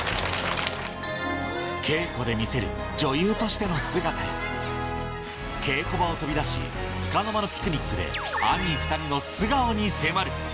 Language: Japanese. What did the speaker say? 稽古で見せる女優としての姿や稽古場を飛び出しつかの間のピクニックでアニー２人の素顔に迫る